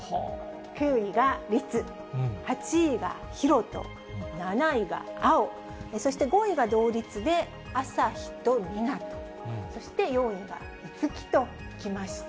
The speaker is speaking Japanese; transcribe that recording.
９位が律、８位が大翔、７位が碧、そして５位は同率で、朝陽と湊、そして４位が樹ときました。